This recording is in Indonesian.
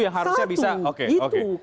yang harusnya bisa oke oke